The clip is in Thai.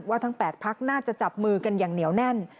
ทั้ง๘พักน่าจะจับมือกันอย่างเหนียวแน่น